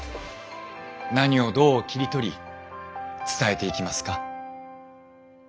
何をどう切り取り伝えていきますか？